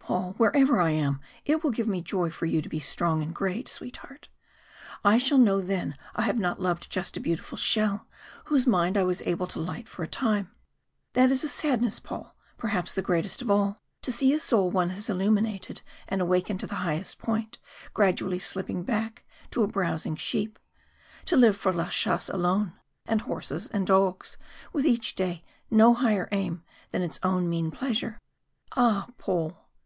Paul, wherever I am, it will give me joy for you to be strong and great, sweetheart. I shall know then I have not loved just a beautiful shell, whose mind I was able to light for a time. That is a sadness, Paul, perhaps the greatest of all, to see a soul one has illuminated and awakened to the highest point gradually slipping back to a browsing sheep, to live for la chasse alone, and horses, and dogs, with each day no higher aim than its own mean pleasure. Ah, Paul!"